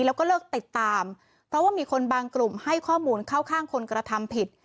แล้วก็เลิกติดตามเพราะว่ามีคนบางกลุ่มให้ข้อมูลเข้าข้างคนกระทำผิด